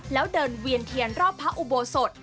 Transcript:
แล้วเดินเวียนเทียนรอบพระอุโบสถ